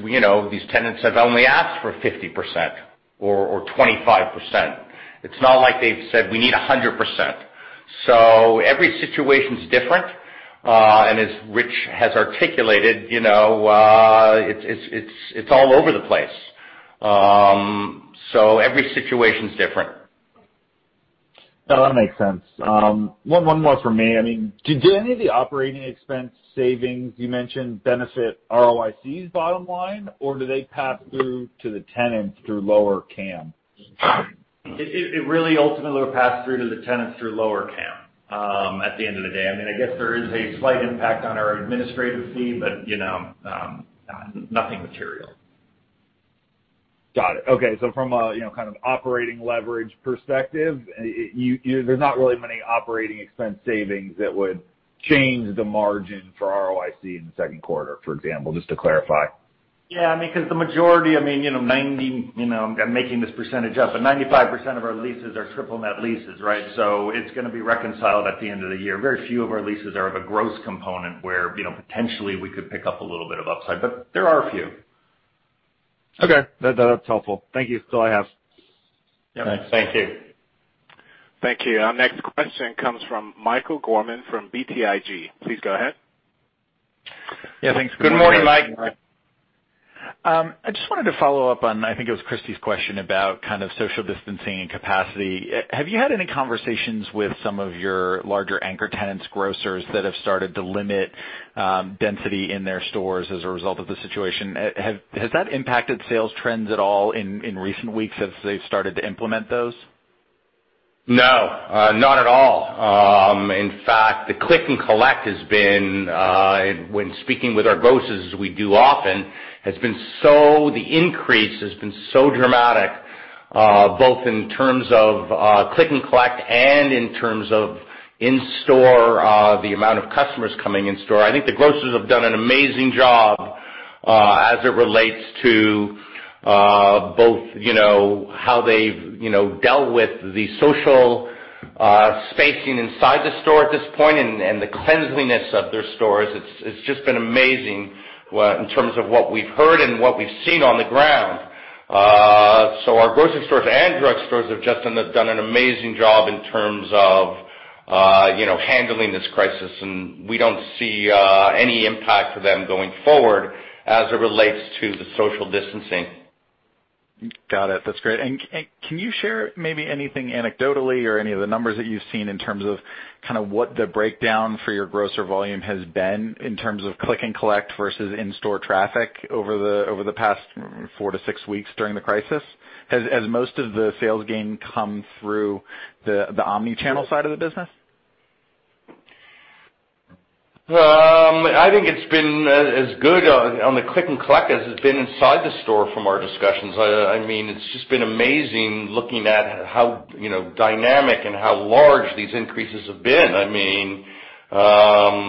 these tenants have only asked for 50% or 25%. It's not like they've said, "We need 100%." Every situation's different, and as Rich has articulated it's all over the place. Every situation's different. No, that makes sense. One more from me. I mean, do any of the operating expense savings you mentioned benefit ROIC's bottom line, or do they pass through to the tenants through lower CAM? It really ultimately will pass through to the tenants through lower CAM, at the end of the day. I mean, I guess there is a slight impact on our administrative fee, but nothing material. Got it. Okay. From a kind of operating leverage perspective, there's not really many operating expense savings that would change the margin for ROIC in the second quarter, for example, just to clarify. Yeah, because the majority, I'm making this percentage up, but 95% of our leases are triple net leases, right? It's going to be reconciled at the end of the year. Very few of our leases are of a gross component where potentially we could pick up a little bit of upside, but there are a few. Okay. That's helpful. Thank you. That's all I have. Yeah. Thank you. Thank you. Our next question comes from Michael Gorman from BTIG. Please go ahead. Yeah, thanks. Good morning. Good morning, Mike. I just wanted to follow up on, I think it was Christy's question about kind of social distancing and capacity. Have you had any conversations with some of your larger anchor tenants, grocers, that have started to limit density in their stores as a result of the situation? Has that impacted sales trends at all in recent weeks as they've started to implement those? No, not at all. The click and collect has been, when speaking with our grocers, as we do often, the increase has been so dramatic, both in terms of click and collect and in terms of in-store, the amount of customers coming in store. I think the grocers have done an amazing job, as it relates to both how they've dealt with the social spacing inside the store at this point and the cleanliness of their stores. It's just been amazing in terms of what we've heard and what we've seen on the ground. Our grocery stores and drug stores have just done an amazing job in terms of handling this crisis, and we don't see any impact to them going forward as it relates to the social distancing. Got it. That's great. Can you share maybe anything anecdotally or any of the numbers that you've seen in terms of kind of what the breakdown for your grocer volume has been in terms of click and collect versus in-store traffic over the past four to six weeks during the crisis? Has most of the sales gain come through the omni-channel side of the business? I think it's been as good on the click and collect as it's been inside the store from our discussions. It's just been amazing looking at how dynamic and how large these increases have been. As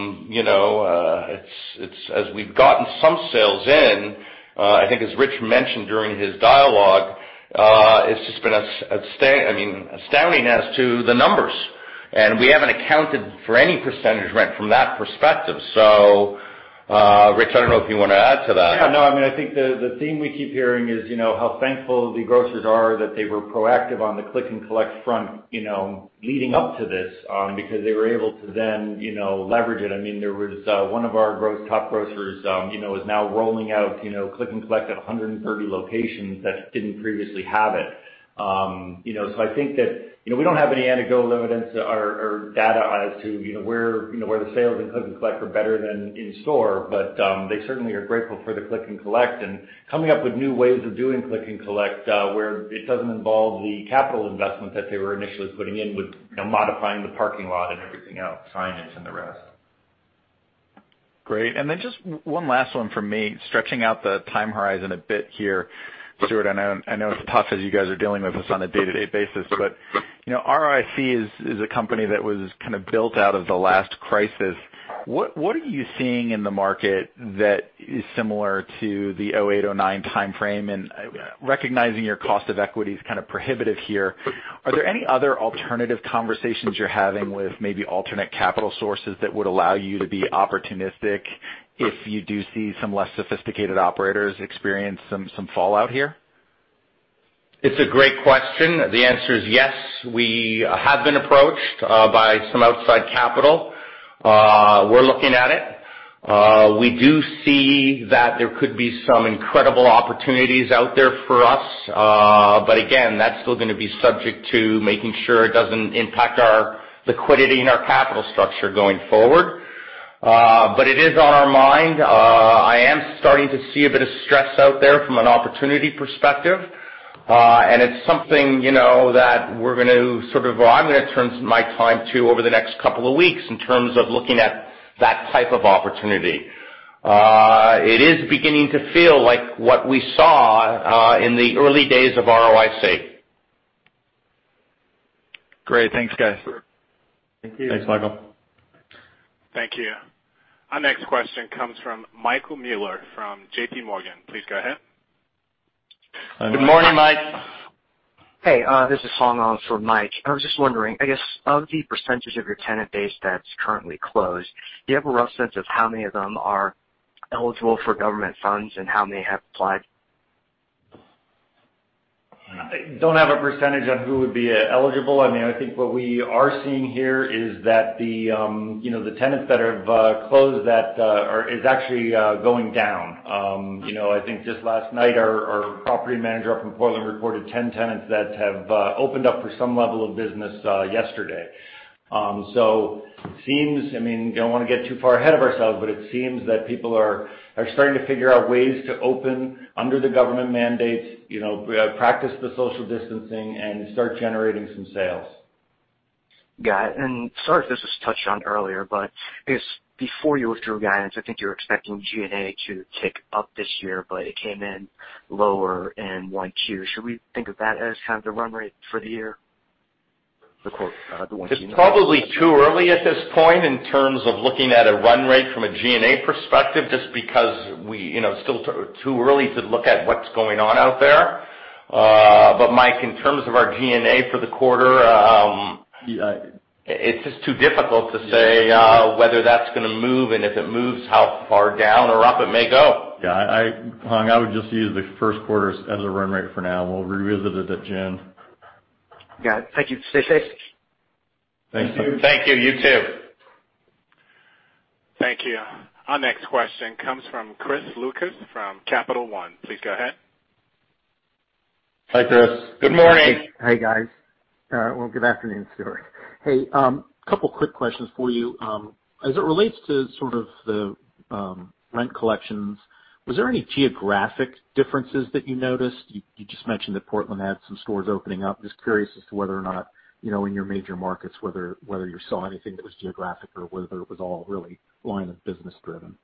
we've gotten some sales in, I think as Rich mentioned during his dialogue, it's just been astounding as to the numbers, and we haven't accounted for any percentage rent from that perspective. Rich, I don't know if you want to add to that. Yeah. I think the theme we keep hearing is how thankful the grocers are that they were proactive on the click and collect front leading up to this, because they were able to then leverage it. One of our top grocers is now rolling out click and collect at 130 locations that didn't previously have it. I think that we don't have any anecdotal evidence or data as to where the sales in click and collect are better than in store. They certainly are grateful for the click and collect and coming up with new ways of doing click and collect, where it doesn't involve the capital investment that they were initially putting in with modifying the parking lot and everything else, sign-ins, and the rest. Great. Then just one last one from me, stretching out the time horizon a bit here. Stuart, I know it's tough as you guys are dealing with this on a day-to-day basis, ROIC is a company that was kind of built out of the last crisis. What are you seeing in the market that is similar to the 2008, 2009 timeframe? Recognizing your cost of equity is kind of prohibitive here, are there any other alternative conversations you're having with maybe alternate capital sources that would allow you to be opportunistic if you do see some less sophisticated operators experience some fallout here? It's a great question. The answer is yes. We have been approached by some outside capital. We're looking at it. We do see that there could be some incredible opportunities out there for us. Again, that's still going to be subject to making sure it doesn't impact our liquidity and our capital structure going forward. It is on our mind. I am starting to see a bit of stress out there from an opportunity perspective. It's something that I'm going to turn my time to over the next couple of weeks in terms of looking at that type of opportunity. It is beginning to feel like what we saw in the early days of ROIC. Great. Thanks, guys. Thank you. Thanks, Michael. Thank you. Our next question comes from Michael Mueller from JPMorgan. Please go ahead. Good morning, Mike. Hey, this is Hong Ong for Mike. I was just wondering, I guess, of the percentage of your tenant base that's currently closed, do you have a rough sense of how many of them are eligible for government funds and how many have applied? I don't have a percentage on who would be eligible. I think what we are seeing here is that the tenants that have closed is actually going down. I think just last night, our property manager up in Portland reported 10 tenants that have opened up for some level of business yesterday. Don't want to get too far ahead of ourselves, but it seems that people are starting to figure out ways to open under the government mandates, practice the social distancing, and start generating some sales. Got it. Sorry if this was touched on earlier, but I guess before you withdrew guidance, I think you were expecting G&A to tick up this year, but it came in lower in Q1. Should we think of that as kind of the run rate for the year? It's probably too early at this point in terms of looking at a run rate from a G&A perspective, just because it's still too early to look at what's going on out there. Mike, in terms of our G&A for the quarter, it's just too difficult to say whether that's going to move, and if it moves, how far down or up it may go. Yeah. Hong, I would just use the first quarter as a run rate for now. We'll revisit it at JIN. Got it. Thank you. Stay safe. Thank you. You too. Thank you. Our next question comes from Chris Lucas from Capital One. Please go ahead. Hi, Chris. Good morning. Hey, guys. Well, good afternoon, Stuart. Hey, couple quick questions for you. As it relates to sort of the rent collections, was there any geographic differences that you noticed? You just mentioned that Portland had some stores opening up. Just curious as to whether or not, in your major markets, whether you saw anything that was geographic or whether it was all really line of business driven.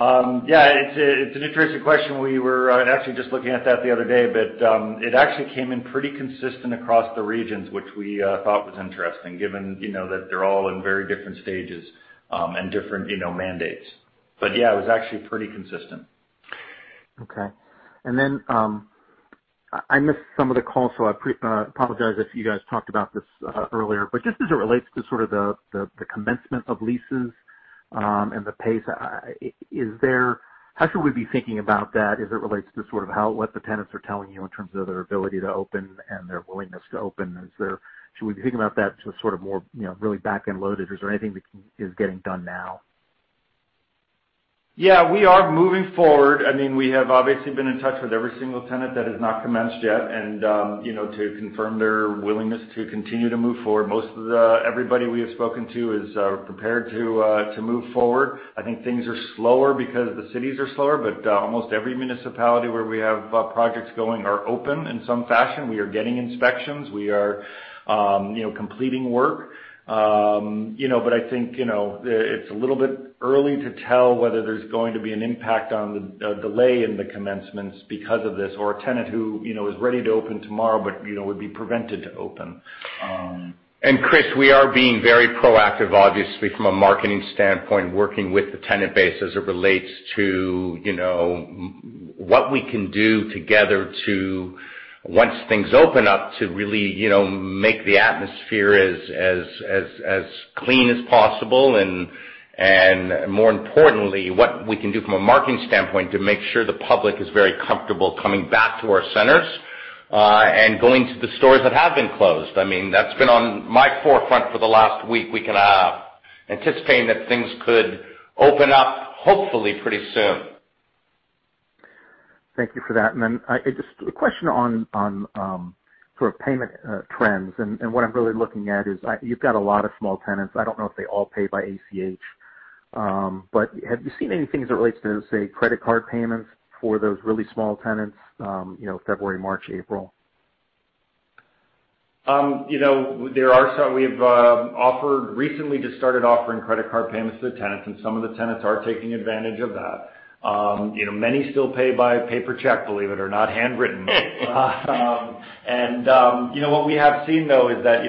Yeah. It's an interesting question. We were actually just looking at that the other day, but it actually came in pretty consistent across the regions, which we thought was interesting given that they're all in very different stages, and different mandates. Yeah, it was actually pretty consistent. Okay. I missed some of the call, so I apologize if you guys talked about this earlier, but just as it relates to sort of the commencement of leases, and the pace, how should we be thinking about that as it relates to sort of what the tenants are telling you in terms of their ability to open and their willingness to open? Should we be thinking about that sort of more really back end loaded or is there anything that is getting done now? Yeah, we are moving forward. We have obviously been in touch with every single tenant that has not commenced yet, and to confirm their willingness to continue to move forward. Everybody we have spoken to is prepared to move forward. I think things are slower because the cities are slower, but almost every municipality where we have projects going are open in some fashion. We are getting inspections. We are completing work. I think it's a little bit early to tell whether there's going to be an impact on the delay in the commencements because of this, or a tenant who is ready to open tomorrow but would be prevented to open. Chris, we are being very proactive, obviously, from a marketing standpoint, working with the tenant base as it relates to what we can do together to, once things open up, to really make the atmosphere as clean as possible and more importantly, what we can do from a marketing standpoint to make sure the public is very comfortable coming back to our centers, and going to the stores that have been closed. That's been on my forefront for the last week. We can anticipate that things could open up hopefully pretty soon. Thank you for that. Just a question on sort of payment trends. What I'm really looking at is, you've got a lot of small tenants. I don't know if they all pay by ACH. Have you seen anything as it relates to, say, credit card payments for those really small tenants, February, March, April? We've recently just started offering credit card payments to the tenants, and some of the tenants are taking advantage of that. Many still pay by paper check, believe it or not, handwritten. What we have seen, though, is that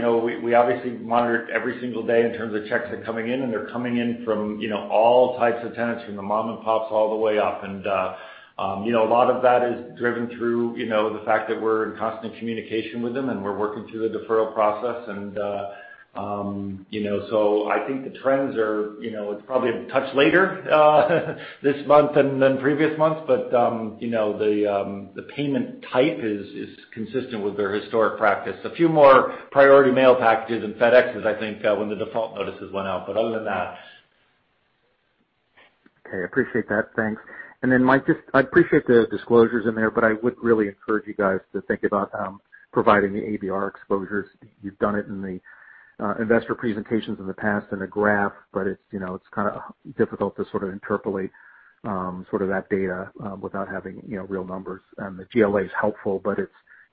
we obviously monitor every single day in terms of checks that are coming in, and they're coming in from all types of tenants, from the mom and pops all the way up. A lot of that is driven through the fact that we're in constant communication with them, and we're working through the deferral process. I think the trends are probably a touch later this month than previous months. The payment type is consistent with their historic practice. A few more priority mail packages and FedExes, I think, when the default notices went out, but other than that. Okay. Appreciate that. Thanks. Then Michael, I appreciate the disclosures in there, but I would really encourage you guys to think about providing the ABR exposures. You've done it in the investor presentations in the past in a graph, but it's kind of difficult to sort of interpolate sort of that data without having real numbers. The GLA is helpful, but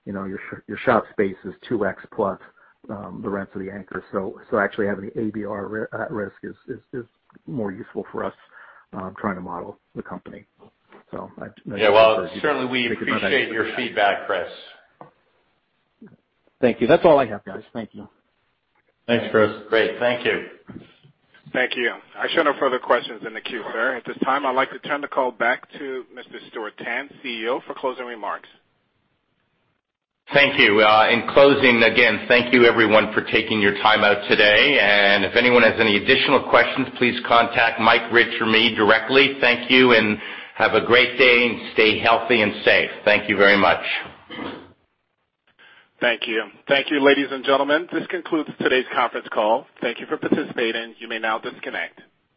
your shop space is 2x plus the rents of the anchor. Actually having the ABR at risk is more useful for us trying to model the company. I just encourage you to think about that. Yeah. Well, certainly we appreciate your feedback, Chris. Thank you. That's all I have, guys. Thank you. Thanks, Chris. Great. Thank you. Thank you. I show no further questions in the queue, sir. At this time, I'd like to turn the call back to Mr. Stuart Tanz, CEO, for closing remarks. Thank you. In closing, again, thank you everyone for taking your time out today. If anyone has any additional questions, please contact Mike, Rich, or me directly. Thank you, and have a great day, and stay healthy and safe. Thank you very much. Thank you. Thank you, ladies and gentlemen. This concludes today's conference call. Thank you for participating. You may now disconnect.